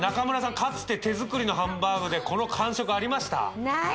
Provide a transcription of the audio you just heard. かつて手作りのハンバーグでこの感触ありました？